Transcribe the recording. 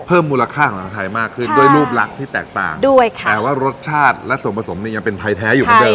เพิ่มมูลค่าของอาหารไทยมากขึ้นด้วยรูปรักที่แตกต่างแปลว่ารสชาติและส่วนผสมนี้ยังเป็นไทยแท้อยู่กันเจอม